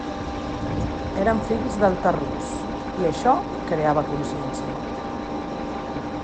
Eren fills del terròs, i això creava consciència.